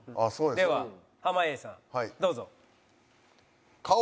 では濱家さんどうぞ。